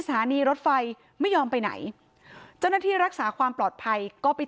สถานีรถไฟไม่ยอมไปไหนเจ้าหน้าที่รักษาความปลอดภัยก็ไป